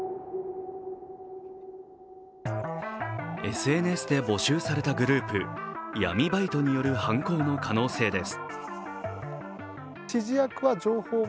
ＳＮＳで募集されたグループ闇バイトによる犯行の可能性です。